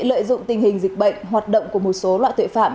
lợi dụng tình hình dịch bệnh hoạt động của một số loại tội phạm